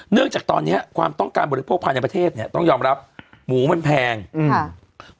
จากตอนเนี้ยความต้องการบริโภคภายในประเทศเนี้ยต้องยอมรับหมูมันแพงอืม